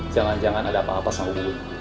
jangan jangan ada apa apa sama bu bun